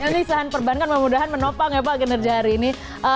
yang ini saham perbankan memudah menopang ya pak kinerja hari ini